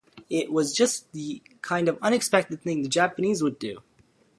"It was just the kind of unexpected thing the Japanese would do.